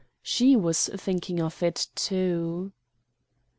She was thinking of it, too.